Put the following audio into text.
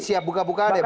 siap buka buka deh pak